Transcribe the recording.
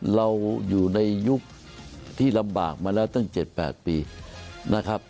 เราอยู่ในยุคที่ลำบากมาแล้วตั้ง๗๘ปีนะครับ